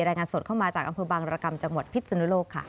รายงานสดเข้ามาจากอำเภอบางรกรรมจังหวัดพิษนุโลกค่ะ